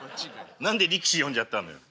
何で力士呼んじゃったのよ。